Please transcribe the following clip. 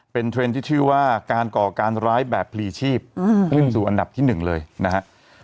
เป็นเทรนด์ที่ชื่อว่าการก่อการร้ายแบบพลีชีพขึ้นสู่อันดับที่๑เลยนะฮะ